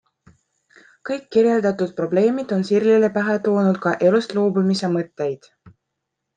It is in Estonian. Kõik kirjeldatud probleemid on Sirlile pähe toonud ka elust loobumise mõtteid.